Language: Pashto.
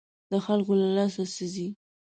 د خلکو له لاسه څه ځي.